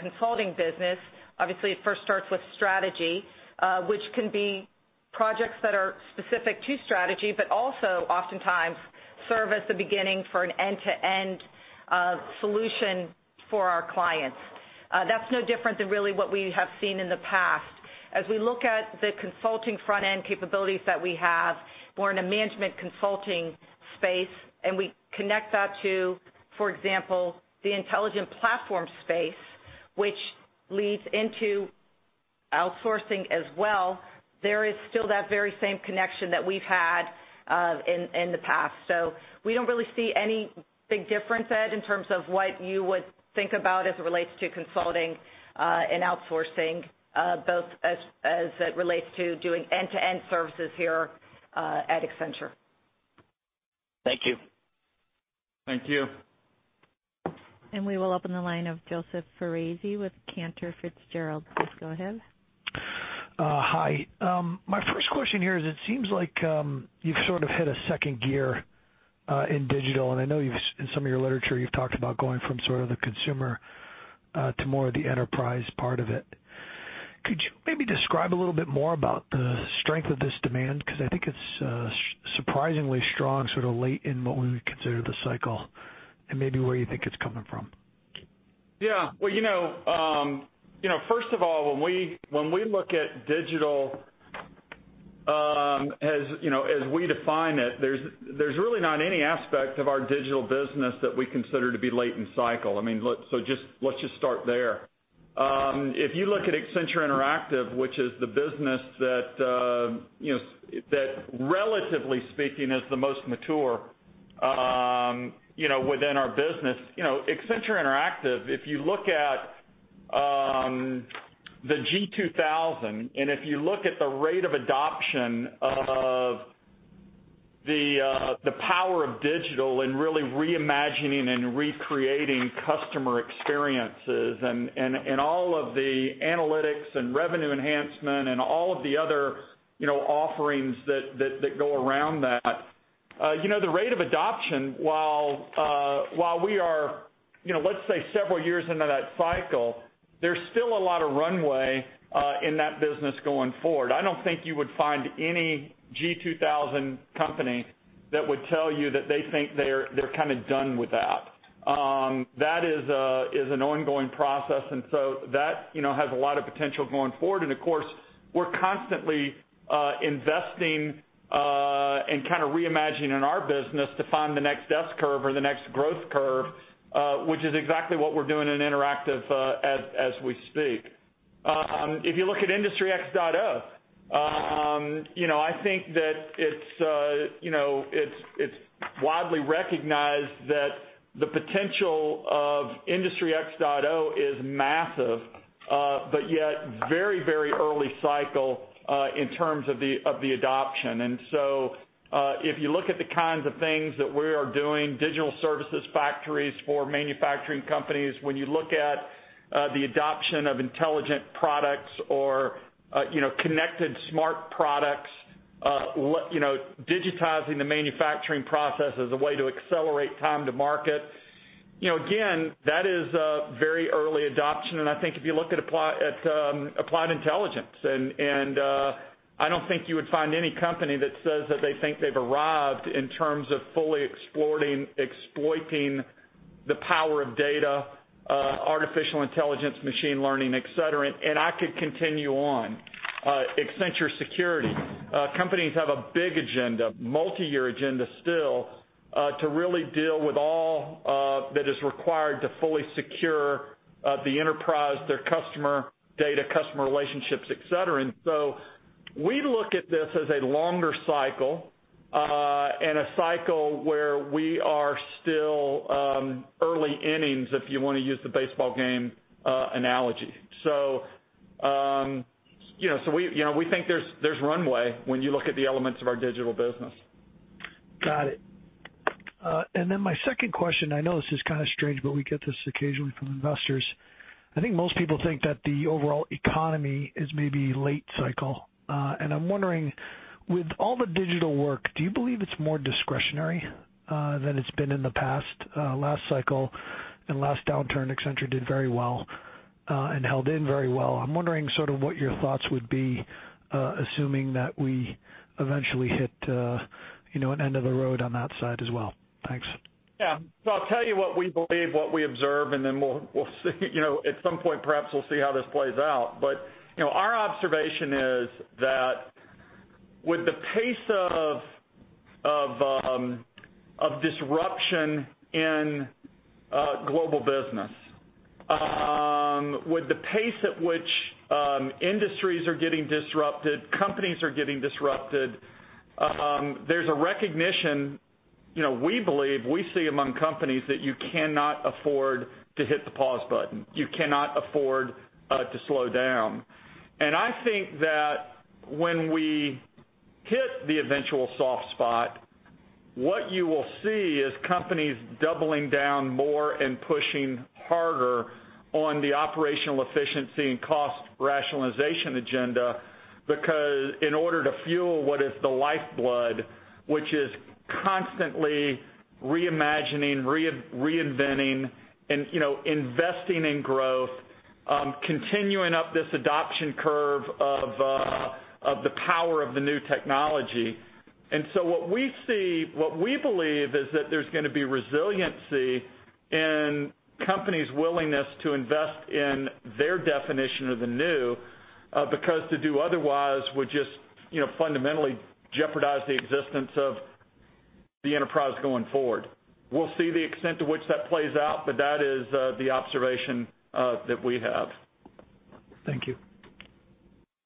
consulting business, obviously it first starts with strategy, which can be projects that are specific to strategy, but also oftentimes serve as the beginning for an end-to-end solution for our clients. That's no different than really what we have seen in the past. As we look at the consulting front-end capabilities that we have, we're in a management consulting space, and we connect that to, for example, the Intelligent Platform space, which leads into outsourcing as well. There is still that very same connection that we've had in the past. We don't really see any big difference, Ed, in terms of what you would think about as it relates to consulting and outsourcing, both as it relates to doing end-to-end services here at Accenture. Thank you. Thank you. We will open the line of Joseph Foresi with Cantor Fitzgerald. Please go ahead. Hi. My first question here is it seems like you've sort of hit a second gear in digital, and I know in some of your literature, you've talked about going from sort of the consumer to more of the enterprise part of it. Could you maybe describe a little bit more about the strength of this demand? I think it's surprisingly strong, sort of late in what we would consider the cycle and maybe where you think it's coming from. Yeah. Well, first of all, when we look at digital as we define it, there's really not any aspect of our digital business that we consider to be late in cycle. I mean, let's just start there. If you look at Accenture Interactive, which is the business that relatively speaking, is the most mature within our business. Accenture Interactive, if you look at the G2000 and if you look at the rate of adoption of the power of digital and really reimagining and recreating customer experiences and all of the analytics and revenue enhancement and all of the other offerings that go around that. The rate of adoption while we are let's say several years into that cycle, there's still a lot of runway in that business going forward. I don't think you would find any G2000 company that would tell you that they think they're kind of done with that. That is an ongoing process, so that has a lot of potential going forward. Of course, we're constantly investing and kind of reimagining our business to find the next S-curve or the next growth curve, which is exactly what we're doing in Interactive as we speak. If you look at Industry X.0, I think that it's widely recognized that the potential of Industry X.0 is massive, but yet very early cycle in terms of the adoption. So if you look at the kinds of things that we are doing, digital services factories for manufacturing companies, when you look at the adoption of intelligent products or connected smart products, digitizing the manufacturing process as a way to accelerate time to market. Again, that is a very early adoption, and I think if you look at Applied Intelligence, and I don't think you would find any company that says that they think they've arrived in terms of fully exploiting the power of data, artificial intelligence, machine learning, et cetera, and I could continue on. Accenture Security. Companies have a big agenda, multi-year agenda still, to really deal with all that is required to fully secure the enterprise, their customer data, customer relationships, et cetera. We look at this as a longer cycle, and a cycle where we are still early innings, if you want to use the baseball game analogy. We think there's runway when you look at the elements of our digital business. Got it. My second question, I know this is kind of strange, but we get this occasionally from investors. I think most people think that the overall economy is maybe late cycle. I'm wondering, with all the digital work, do you believe it's more discretionary than it's been in the past? Last cycle and last downturn, Accenture did very well and held in very well. I'm wondering sort of what your thoughts would be assuming that we eventually hit an end of the road on that side as well. Thanks. I'll tell you what we believe, what we observe, and then at some point, perhaps we'll see how this plays out. Our observation is that with the pace of disruption in global business, with the pace at which industries are getting disrupted, companies are getting disrupted, there's a recognition, we believe we see among companies that you cannot afford to hit the pause button. You cannot afford to slow down. I think that when we hit the eventual soft spot. What you will see is companies doubling down more and pushing harder on the operational efficiency and cost rationalization agenda because in order to fuel what is the lifeblood, which is constantly reimagining, reinventing, and investing in growth, continuing up this adoption curve of the power of the new technology. What we believe is that there's going to be resiliency in companies' willingness to invest in their definition of the new, because to do otherwise would just fundamentally jeopardize the existence of the enterprise going forward. We'll see the extent to which that plays out. That is the observation that we have. Thank you.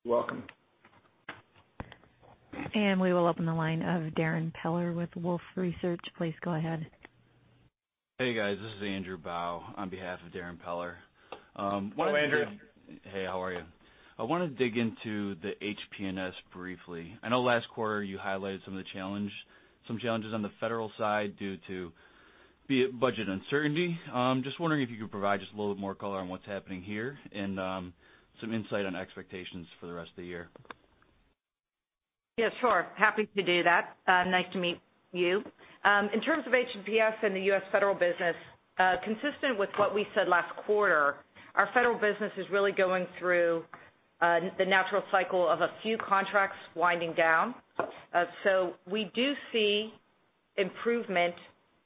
You're welcome. We will open the line of Darrin Peller with Wolfe Research. Please go ahead. Hey, guys. This is Andrew Bao on behalf of Darrin Peller. Hello, Andrew. Hey, how are you? I want to dig into the H&PS briefly. I know last quarter you highlighted some challenges on the federal side due to be it budget uncertainty. I'm just wondering if you could provide just a little bit more color on what's happening here and some insight on expectations for the rest of the year. Yeah, sure. Happy to do that. Nice to meet you. In terms of H&PS and the U.S. federal business, consistent with what we said last quarter, our federal business is really going through the natural cycle of a few contracts winding down. We do see improvement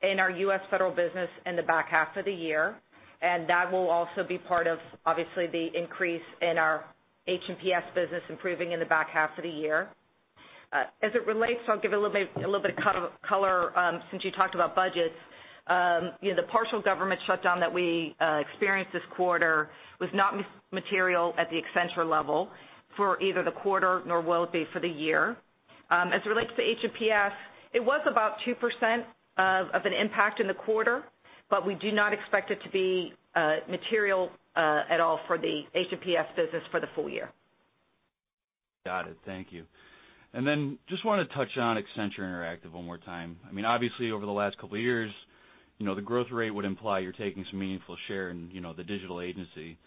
in our U.S. federal business in the back half of the year, and that will also be part of, obviously, the increase in our H&PS business improving in the back half of the year. As it relates, I'll give a little bit of color since you talked about budgets. The partial government shutdown that we experienced this quarter was not material at the Accenture level for either the quarter nor will it be for the year. As it relates to H&PS, it was about 2% of an impact in the quarter, we do not expect it to be material at all for the H&PS business for the full year. Got it. Thank you. Just want to touch on Accenture Interactive one more time. Obviously, over the last couple of years, the growth rate would imply you're taking some meaningful share in the digital agency.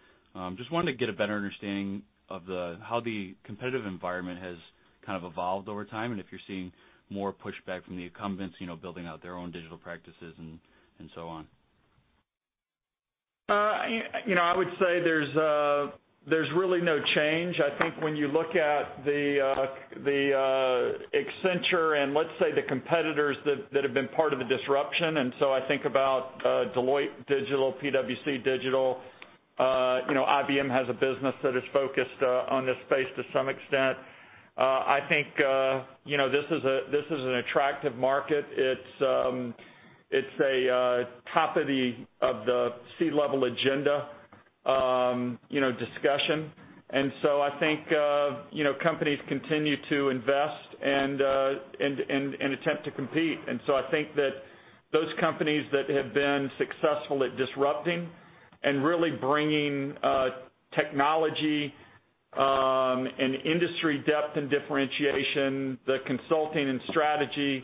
Just wanted to get a better understanding of how the competitive environment has kind of evolved over time, and if you're seeing more pushback from the incumbents building out their own digital practices and so on. I would say there's really no change. I think when you look at the Accenture and let's say the competitors that have been part of the disruption, I think about Deloitte Digital, PwC Digital, IBM has a business that is focused on this space to some extent. I think this is an attractive market. It's a top of the C-level agenda discussion. I think companies continue to invest and attempt to compete. I think that those companies that have been successful at disrupting and really bringing technology and industry depth and differentiation, the consulting and strategy,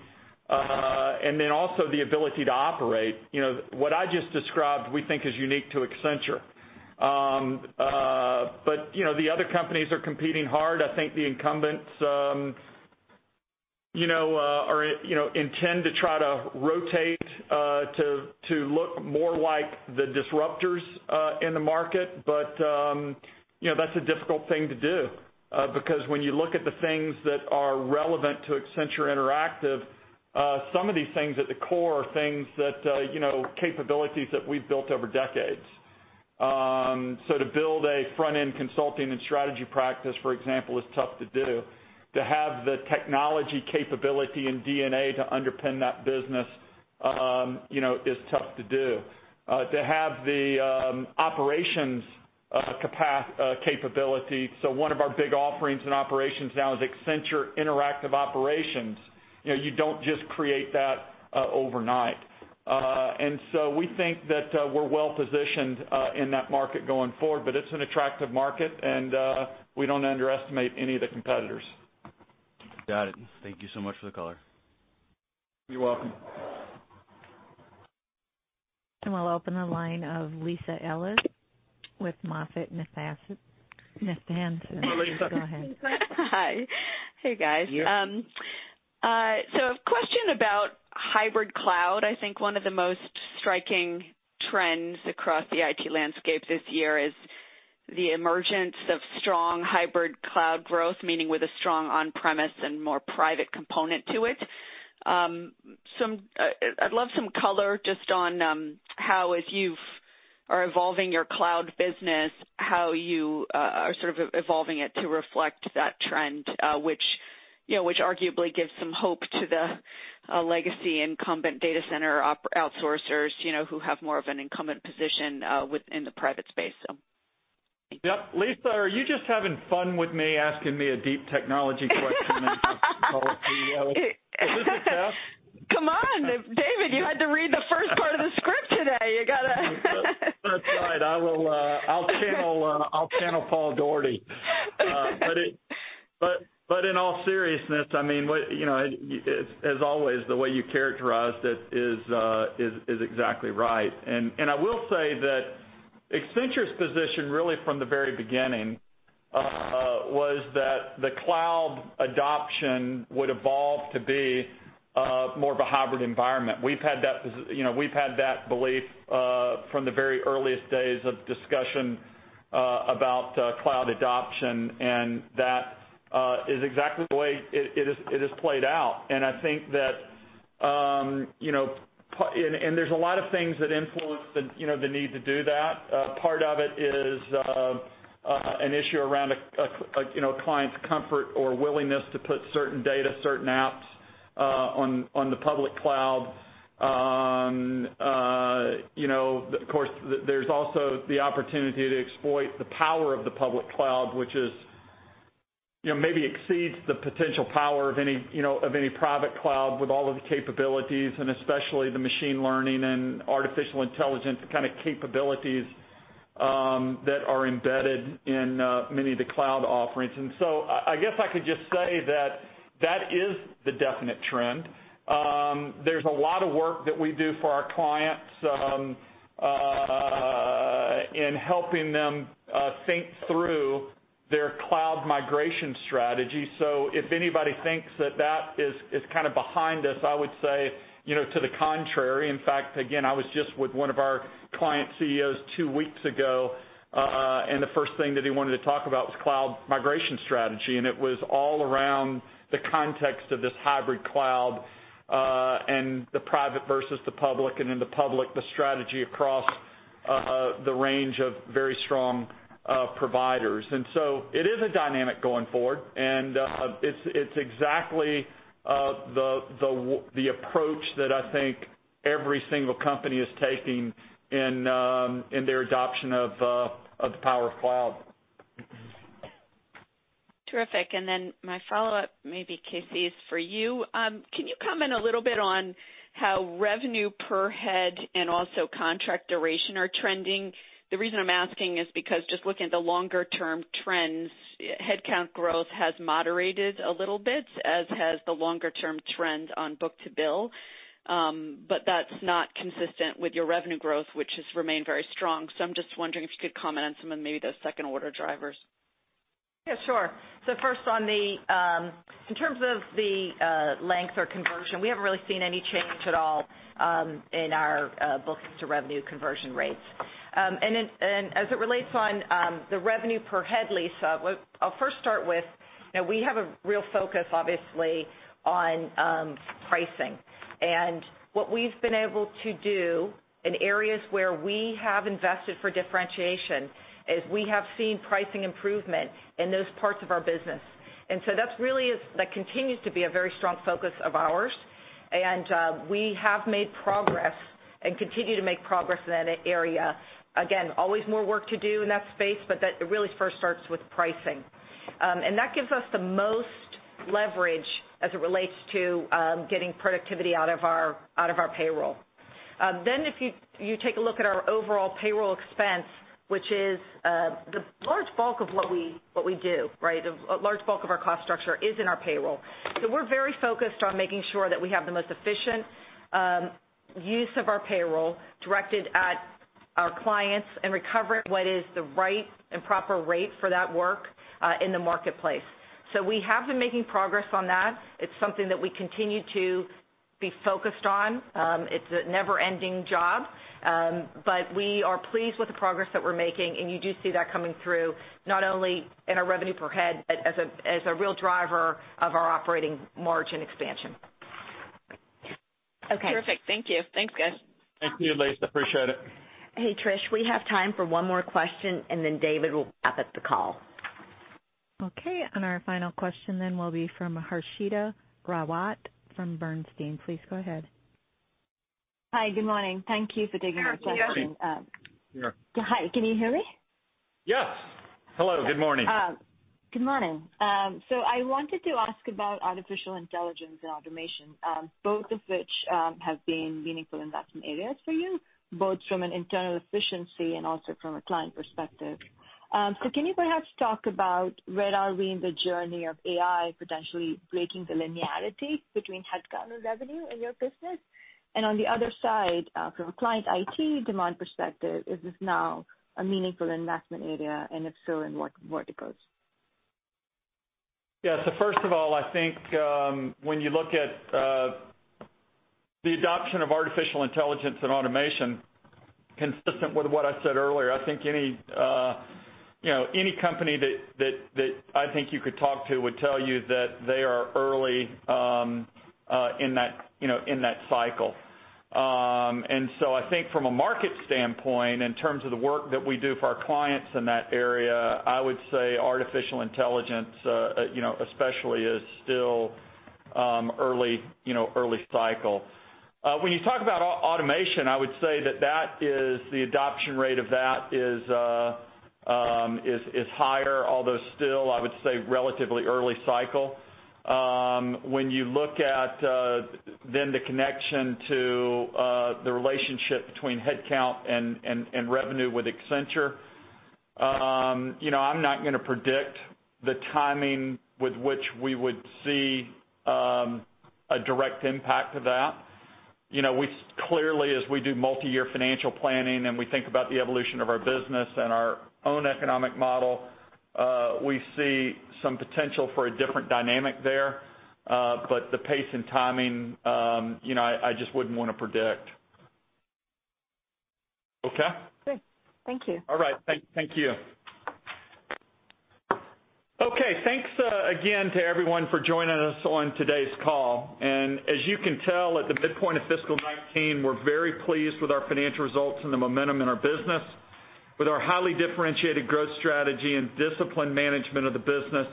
and then also the ability to operate. What I just described, we think, is unique to Accenture. The other companies are competing hard. I think the incumbents intend to try to rotate to look more like the disruptors in the market. That's a difficult thing to do because when you look at the things that are relevant to Accenture Interactive, some of these things at the core are capabilities that we've built over decades. To build a front-end consulting and strategy practice, for example, is tough to do. To have the technology capability and DNA to underpin that business is tough to do. To have the operations capability, so one of our big offerings in operations now is Accenture Interactive Operations. You don't just create that overnight. We think that we're well-positioned in that market going forward, but it's an attractive market, and we don't underestimate any of the competitors. Got it. Thank you so much for the color. You're welcome. We'll open the line of Lisa Ellis with MoffettNathanson. Go ahead. Hi. Hey, guys. Yes. A question about hybrid cloud. I think one of the most striking trends across the IT landscape this year is the emergence of strong hybrid cloud growth, meaning with a strong on-premise and more private component to it. I'd love some color just on how, as you are evolving your cloud business, how you are sort of evolving it to reflect that trend which arguably gives some hope to the legacy incumbent data center outsourcers who have more of an incumbent position within the private space. Yep. Lisa, are you just having fun with me, asking me a deep technology question in front of the whole CEO? Is this a test? I'll channel Paul Daugherty. In all seriousness, as always, the way you characterized it is exactly right. I will say that Accenture's position really from the very beginning, was that the cloud adoption would evolve to be more of a hybrid environment. We've had that belief from the very earliest days of discussion about cloud adoption, and that is exactly the way it has played out. There's a lot of things that influence the need to do that. Part of it is an issue around a client's comfort or willingness to put certain data, certain apps on the public cloud. Of course, there's also the opportunity to exploit the power of the public cloud, which maybe exceeds the potential power of any private cloud with all of the capabilities, and especially the machine learning and artificial intelligence kind of capabilities that are embedded in many of the cloud offerings. I guess I could just say that that is the definite trend. There's a lot of work that we do for our clients in helping them think through their cloud migration strategy. If anybody thinks that that is kind of behind us, I would say to the contrary. In fact, again, I was just with one of our client CEOs two weeks ago, and the first thing that he wanted to talk about was cloud migration strategy, and it was all around the context of this hybrid cloud, and the private versus the public, and in the public, the strategy across the range of very strong providers. It is a dynamic going forward, and it's exactly the approach that I think every single company is taking in their adoption of the power of cloud. Terrific. My follow-up, maybe KC, is for you. Can you comment a little bit on how revenue per head and also contract duration are trending? The reason I'm asking is because just looking at the longer-term trends, head count growth has moderated a little bit, as has the longer-term trend on book-to-bill. That's not consistent with your revenue growth, which has remained very strong. I'm just wondering if you could comment on some of maybe those second-order drivers. Yeah, sure. First in terms of the length or conversion, we haven't really seen any change at all in our bookings to revenue conversion rates. As it relates on the revenue per head, Lisa, I'll first start with, we have a real focus, obviously, on pricing. What we've been able to do in areas where we have invested for differentiation is we have seen pricing improvement in those parts of our business. That continues to be a very strong focus of ours, and we have made progress and continue to make progress in that area. Again, always more work to do in that space, but it really first starts with pricing. That gives us the most leverage as it relates to getting productivity out of our payroll. If you take a look at our overall payroll expense, which is the large bulk of what we do. A large bulk of our cost structure is in our payroll. We're very focused on making sure that we have the most efficient use of our payroll directed at our clients and recover what is the right and proper rate for that work in the marketplace. We have been making progress on that. It's something that we continue to be focused on. It's a never-ending job. We are pleased with the progress that we're making, and you do see that coming through, not only in our revenue per head, but as a real driver of our operating margin expansion. Okay. Thank you, Lisa. Appreciate it. Hey, Trish, we have time for one more question, and then David will wrap up the call. Okay, our final question will be from Harshita Rawat from Bernstein. Please go ahead. Hi, good morning. Thank you for taking our question. Harshita. Hi, can you hear me? Yes. Hello, good morning. Good morning. I wanted to ask about artificial intelligence and automation, both of which have been meaningful investment areas for you, both from an internal efficiency and also from a client perspective. Can you perhaps talk about where are we in the journey of AI potentially breaking the linearity between headcount and revenue in your business? On the other side, from a client IT demand perspective, is this now a meaningful investment area? If so, in what verticals? Yeah. First of all, I think when you look at the adoption of artificial intelligence and automation, consistent with what I said earlier, I think any company that I think you could talk to would tell you that they are early in that cycle. I think from a market standpoint, in terms of the work that we do for our clients in that area, I would say artificial intelligence especially is still early cycle. When you talk about automation, I would say that the adoption rate of that is higher, although still, I would say, relatively early cycle. When you look at then the connection to the relationship between headcount and revenue with Accenture, I'm not going to predict the timing with which we would see a direct impact of that. Clearly, as we do multiyear financial planning and we think about the evolution of our business and our own economic model, we see some potential for a different dynamic there. The pace and timing, I just wouldn't want to predict. Okay? Great. Thank you. All right. Thank you. Okay, thanks again to everyone for joining us on today's call. As you can tell at the midpoint of fiscal 2019, we're very pleased with our financial results and the momentum in our business. With our highly differentiated growth strategy and disciplined management of the business,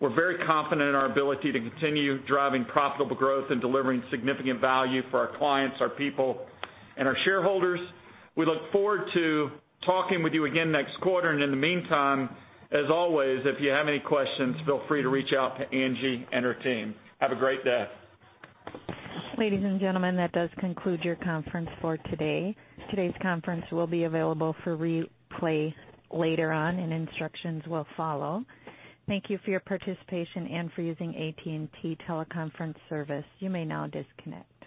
we're very confident in our ability to continue driving profitable growth and delivering significant value for our clients, our people, and our shareholders. We look forward to talking with you again next quarter. In the meantime, as always, if you have any questions, feel free to reach out to Angie and her team. Have a great day. Ladies and gentlemen, that does conclude your conference for today. Today's conference will be available for replay later on and instructions will follow. Thank you for your participation and for using AT&T teleconference service. You may now disconnect.